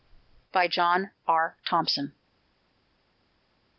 JOHN R. THOMPSON.